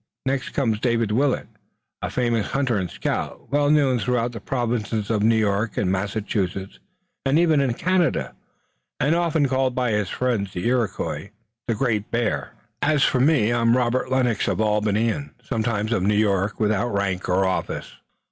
Next comes David Willet, a famous hunter and scout, well known throughout the provinces of New York and Massachusetts and even in Canada, and often called by his friends, the Iroquois, the Great Bear. As for me, I am Robert Lennox, of Albany and sometimes of New York, without rank or office."